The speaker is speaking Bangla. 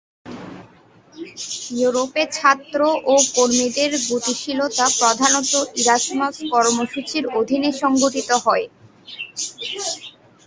ইউরোপে ছাত্র ও কর্মীদের গতিশীলতা প্রধানত ইরাসমাস কর্মসূচির অধীনে সংগঠিত হয়।